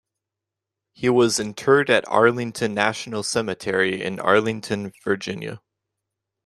He was interred at Arlington National Cemetery in Arlington, Virginia.